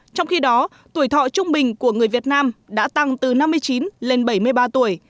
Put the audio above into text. trong khi đó tuổi thọ trung bình của người việt nam đã tăng từ năm mươi chín lên bảy mươi ba tuổi